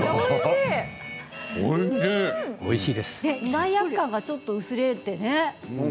罪悪感がちょっと薄れてね。